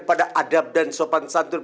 pada adab dan sopan santur